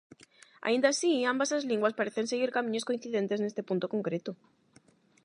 Aínda así, ambas as linguas parecen seguir camiños coincidentes neste punto concreto.